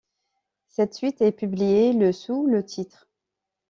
Cette suite est publiée le sous le titre '.